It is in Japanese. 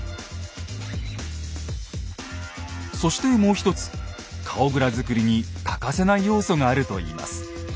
そしてもう一つ顔グラ作りに欠かせない要素があるといいます。